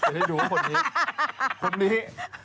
ให้ดูว่าคนนี้